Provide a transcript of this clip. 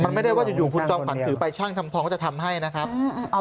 มันไม่ได้ว่าอยู่คุณจอมขวัญถือไปช่างทำทองก็จะทำให้นะครับ